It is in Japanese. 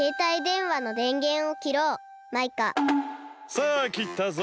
さあきったぞ。